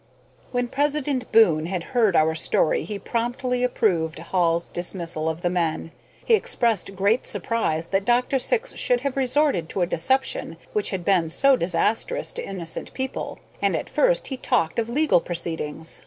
When President Boon had heard our story he promptly approved Hall's dismissal of the men. He expressed great surprise that Dr. Syx should have resorted to a deception which had been so disastrous to innocent people, and at first he talked of legal proceedings.